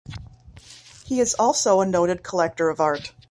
He is also a noted collector of art.